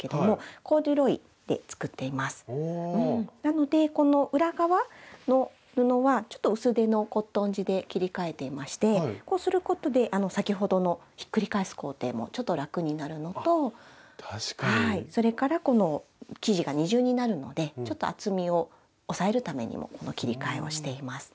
なのでこの裏側の布はちょっと薄手のコットン地で切り替えていましてこうすることで先ほどのひっくり返す工程も楽になるのとそれからこの生地が二重になるのでちょっと厚みを抑えるためにもこの切り替えをしています。